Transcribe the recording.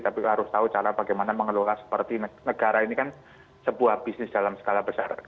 tapi harus tahu cara bagaimana mengelola seperti negara ini kan sebuah bisnis dalam skala besar